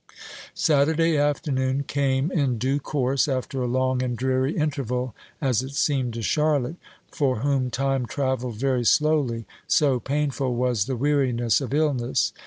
Saturday afternoon came in due course, after a long and dreary interval, as it seemed to Charlotte, for whom time travelled very slowly, so painful was the weariness of illness.